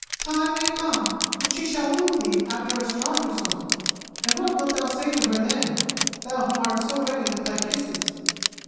Time may come when she shall woo thee after a stronger sort, and what wilt thou say to her then, thou who art so ready with thy kisses?"